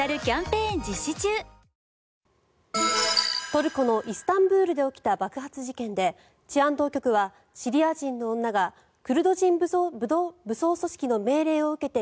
トルコのイスタンブールで起きた爆発事件で治安当局はシリア人の女がクルド人武装組織の命令を受けて